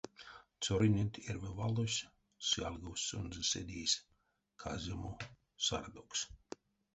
Цёрыненть эрьва валось сялговсь сонзэ седейс казямо сардокс.